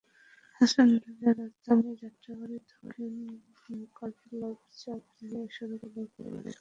হাসান রাজা রাজধানীর যাত্রাবাড়ীর দক্ষিণ কাজলার চান মিয়া সড়ক এলাকায় বাস করেন।